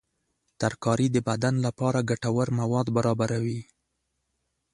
ترکاري د بدن لپاره ګټور مواد برابروي.